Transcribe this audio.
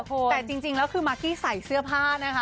แต่จริงแล้วคือมากกี้ใส่เสื้อผ้านะคะ